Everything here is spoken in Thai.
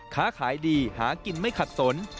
ค้าขายดีหากินไม่ขัดสน